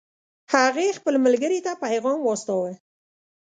هغې خپل ملګرې ته پیغام واستاوه